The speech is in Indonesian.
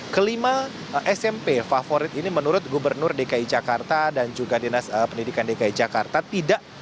kelima smp favorit ini menurut gubernur dki jakarta dan juga dinas pendidikan dki jakarta tidak